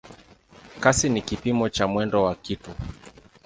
Kasi ni kipimo cha mwendo wa kitu.